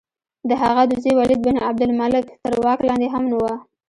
د هغه د زوی ولید بن عبدالملک تر واک لاندې هم نه وه.